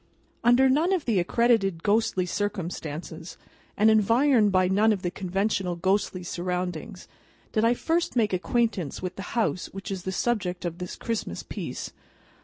UNDER none of the accredited ghostly circumstances, and environed by none of the conventional ghostly surroundings, did I first make acquaintance with the house which is the subject of this Christmas piece.